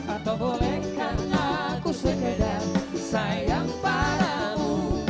atau bolehkan aku sekedar sayang padamu